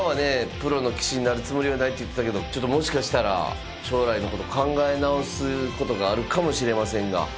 プロの棋士になるつもりはないと言ってたけどちょっともしかしたら将来のこと考え直すことがあるかもしれませんが。